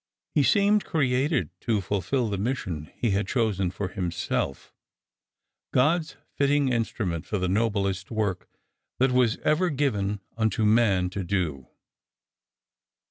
He seemed created to fulfil the mission he had chosen for himself; God's fitting instrument for the noblest work that was ever given unto man to do.